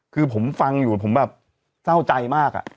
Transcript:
คือผมฟังอยู่ผมแบบเศร้าใจมาก